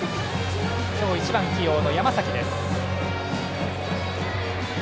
今日、１番起用の山崎です。